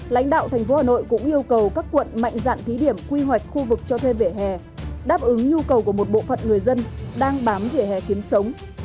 lãnh đạo thành phố hà nội cũng yêu cầu các quận mạnh dạn thí điểm quy hoạch khu vực cho thuê vỉa hè đáp ứng nhu cầu của một bộ phận người dân đang bám vỉa hè kiếm sống